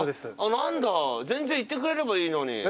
何だ全然言ってくれればいいのに。